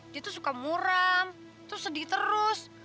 dia tuh suka muram terus sedih terus